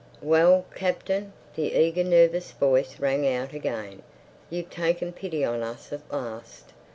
"Well, Captain," the eager, nervous voice rang out again, "you've taken pity on us at last."